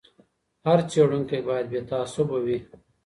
هر څېړونکی باید بې تعصبه وي.